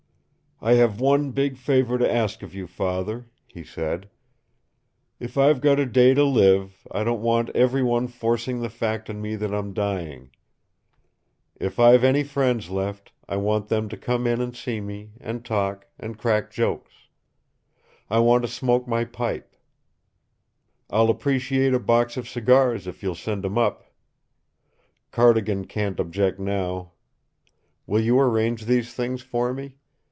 "I have one big favor to ask of you, Father," he said. "If I've got a day to live, I don't want every one forcing the fact on me that I'm dying. If I've any friends left, I want them to come in and see me, and talk, and crack jokes. I want to smoke my pipe. I'll appreciate a box of cigars if you'll send 'em up. Cardigan can't object now. Will you arrange these things for me?